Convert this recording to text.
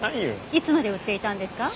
いつまで売っていたんですか？